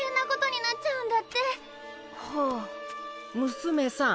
娘さん。